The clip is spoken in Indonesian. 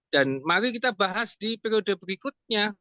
dan mari kita bahas di periode berikutnya